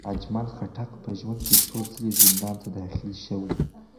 اجمل خټک په ژوند کې څو ځلې زندان ته داخل شوی.